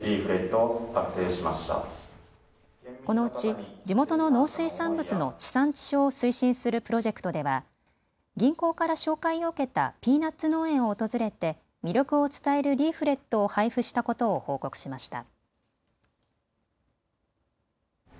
このうち地元の農水産物の地産地消を推進するプロジェクトでは銀行から紹介を受けたピーナツ農園を訪れて、魅力を伝えるリーフレットを配布したことを報告しました。